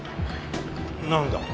何だ？